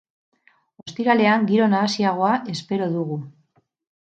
Ostiralean giro nahasiagoa espero dugu.